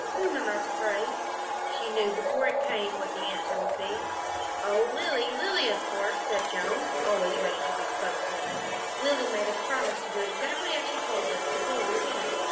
Whom am I to praise?" She knew before it came what the answer would be. "Oh, Lilly. Lilly, of course," said Joan, always ready to be spokeswoman. "Lilly made us promise to do exactly as she told us before we went."